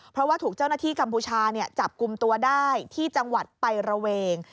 เพราะว่าถูกเจ้าหน้าที่กัมพูชาจับกลุ่มตัวได้ที่จังหวัดไประเวง